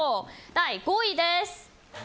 第５位です。